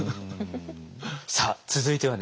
さあ続いてはね